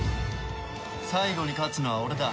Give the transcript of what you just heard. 最後に勝つのは俺だ。